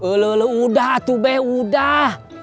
ulu ulu udah tuh be udah